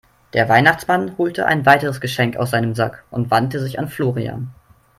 Der Weihnachtsmann holte ein weiteres Geschenk aus seinem Sack und wandte sich an Florian.